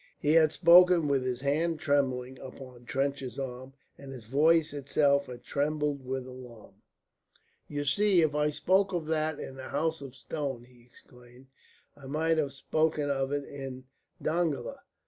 He had spoken with his hand trembling upon Trench's arm, and his voice itself had trembled with alarm. "You see if I spoke of that in the House of Stone," he exclaimed, "I might have spoken of it in Dongola.